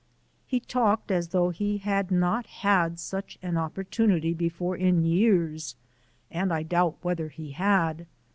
He talked as though he had not had such an opportunity before in years and I doubt whether he had.